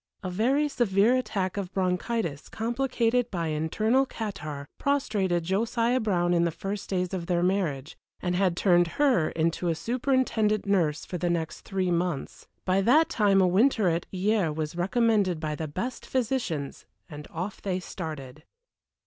A very severe attack of bronchitis, complicated by internal catarrh, prostrated Josiah Brown in the first days of their marriage, and had turned her into a superintendent nurse for the next three months; by that time a winter at Hyères was recommended by the best physicians, and off they started.